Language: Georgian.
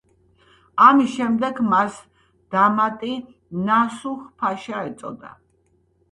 ამის შემდეგ მას დამატი ნასუჰ-ფაშა ეწოდა.